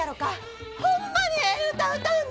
ホンマにええ歌歌うんです！